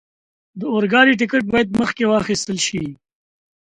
د اورګاډي ټکټ باید مخکې واخستل شي.